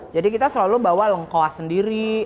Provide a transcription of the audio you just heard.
jadi kita selalu bawa lengkoas sendiri